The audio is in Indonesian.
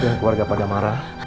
bu yang keluarga pada marah